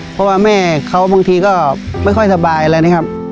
เพราะว่าแม่เขาบางทีก็ไม่ค่อยสบายอะไรนะครับ